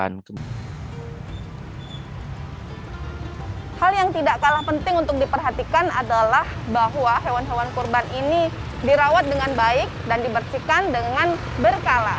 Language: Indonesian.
hal yang tidak kalah penting untuk diperhatikan adalah bahwa hewan hewan kurban ini dirawat dengan baik dan dibersihkan dengan berkala